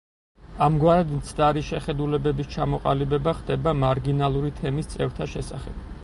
ამგვარად მცდარი შეხედულებების ჩამოყალიბება ხდება მარგინალური თემის წევრთა შესახებ.